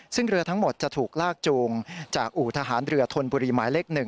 ซึ่งเรือทั้งหมดจะถูกลากจูงจากอู่ทหารเรือธนบุรีหมายเลข๑